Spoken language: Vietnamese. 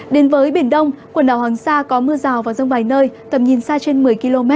đến với biển đông quần đảo hoàng sa có mưa rào và rông vài nơi tầm nhìn xa trên một mươi km